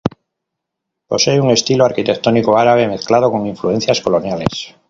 Posee un estilo arquitectónico árabe, mezclado con influencias coloniales.